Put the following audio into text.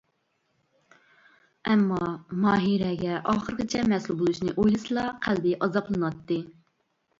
ئەمما، ماھىرەگە ئاخىرىغىچە مەسئۇل بولۇشنى ئويلىسىلا قەلبى ئازابلىناتتى.